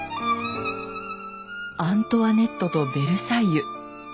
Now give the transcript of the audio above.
アントワネットとヴェルサイユ。